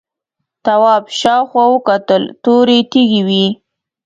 تواب شاوخوا وکتل تورې تیږې وې.